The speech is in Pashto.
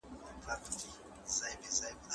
ټولنې تر اوسه پرمختګ کړی دی.